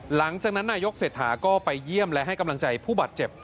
หลังจากนั้นนายกเศรษฐาก็ไปเยี่ยมและให้กำลังใจผู้บาดเจ็บ